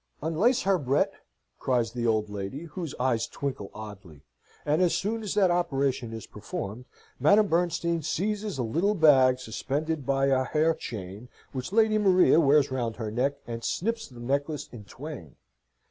"Unlace her, Brett!" cries the old lady, whose eyes twinkle oddly; and as soon as that operation is performed, Madame Bernstein seizes a little bag suspended by a hair chain, which Lady Maria wears round her neck, and snips the necklace in twain.